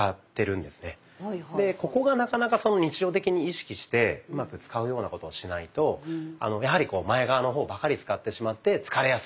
でここがなかなか日常的に意識してうまく使うようなことをしないとやはり前側の方ばかり使ってしまって疲れやすい。